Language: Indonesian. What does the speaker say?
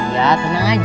ya tenang aja